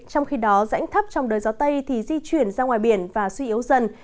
trong khi đó rãnh thấp trong đời gió tây thì di chuyển ra ngoài biển và suy yếu dần